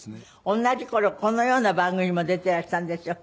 同じ頃このような番組も出ていらしたんですよ。